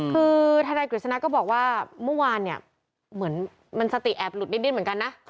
คือทนายกฤษณะก็บอกว่าเมื่อวานเนี่ยเหมือนมันสติแอบหลุดดิ้นเหมือนกันนะ